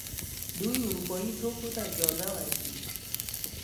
دوی اروپايي توکو ته اجازه ورکړي.